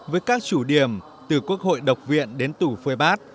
với các chủ điểm từ quốc hội độc viện đến tù phơi bát